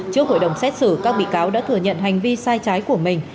trước hội đồng xét xử các bị cáo đã thừa nhận hành vi sai trái của mình